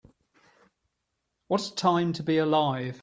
What a time to be alive.